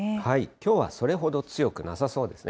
きょうはそれほど強くなさそうですね。